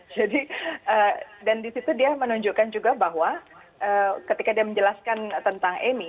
jadi dan disitu dia menunjukkan juga bahwa ketika dia menjelaskan tentang amy